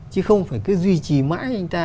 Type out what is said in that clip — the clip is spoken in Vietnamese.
chứ không phải cứ duy trì mãi anh ta